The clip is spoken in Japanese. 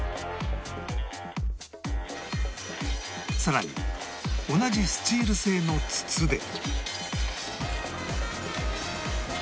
さらに同じスチール製の筒で